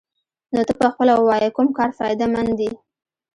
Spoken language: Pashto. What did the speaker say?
نو ته پخپله ووايه كوم كار فايده مند دې؟